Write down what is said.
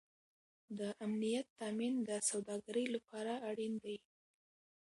د امنیت تامین د سوداګرۍ لپاره اړین دی